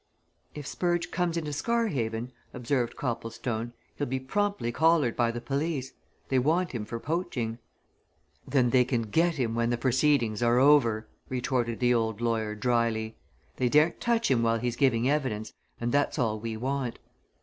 "If Spurge comes into Scarhaven," observed Copplestone, "he'll be promptly collared by the police. They want him for poaching." "Then they can get him when the proceedings are over," retorted the old lawyer, dryly. "They daren't touch him while he's giving evidence and that's all we want.